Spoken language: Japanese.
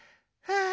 ああ？